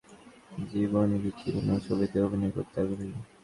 বরং তিনি সাধারণ ভারতীয় মানুষের জীবনীভিত্তিক কোনো ছবিতে অভিনয় করতে আগ্রহী।